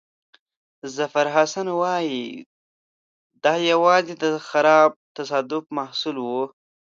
ظفرحسن وایي چې دا یوازې د خراب تصادف محصول وو.